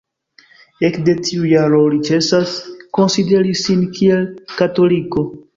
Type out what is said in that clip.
Ekde tiu jaro li ĉesas konsideri sin kiel katoliko.